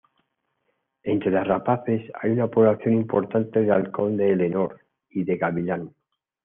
Entre las rapaces, hay una población importante de halcón de Eleonor y de gavilán.